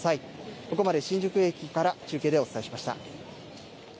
ここまで新宿駅から中継でお伝えしました。